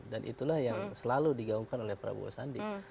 dan itulah yang selalu digaungkan oleh prabowo sandi